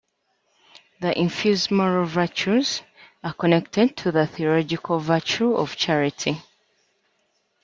The infused moral virtues are connected to the theological virtue of Charity.